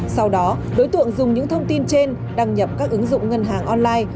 sau đó đối tượng dùng những thông tin trên đăng nhập các ứng dụng ngân hàng online